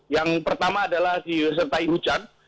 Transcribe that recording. yang pertama adalah disertai hujan